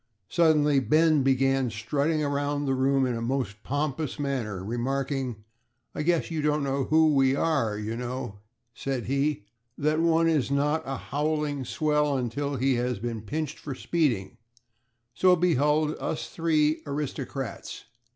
Suddenly Ben began strutting around the room in a most pompous manner, remarking, "I guess you don't know who we are. You know," said he, "that one is not a howling swell until he has been pinched for speeding, so behold us three aristocrats!"